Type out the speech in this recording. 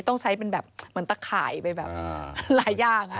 ต้องใช้เป็นแบบเหมือนตะข่ายไปแบบหลายอย่าง